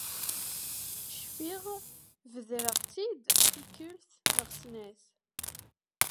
Cfiɣ bedreɣ-t-id tikelt neɣ snat.